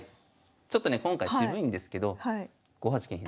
ちょっとね今回渋いんですけど５八金左。